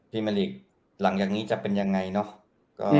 มะลิหลังจากนี้จะเป็นยังไงเนาะ